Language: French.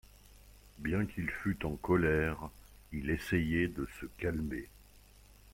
Bien qu’il fût en colère, il essayait de se calmer.